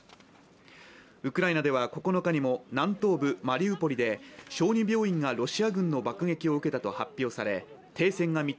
ウクライナでは９日にも南東部マリウポリで小児病院がロシア軍の爆撃を受けたと発表され停戦が